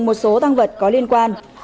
một số tăng vật có liên quan